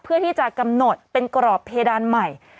เพื่อที่จะกำหนดเป็นกรอบเพดานใหม่